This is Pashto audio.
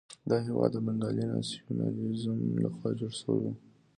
دا هېواد د بنګالي ناسیونالېزم لخوا جوړ شوی وو.